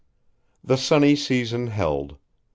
The sunny season held.